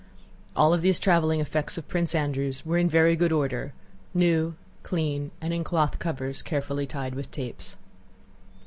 All these traveling effects of Prince Andrew's were in very good order: new, clean, and in cloth covers carefully tied with tapes.